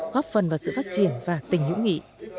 góp phần vào sự phát triển và tình hữu nghị